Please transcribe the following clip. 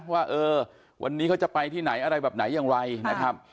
ว่าเออวันนี้เขาจะไปที่ไหนอะไรแบบไหนอย่างไรนะครับ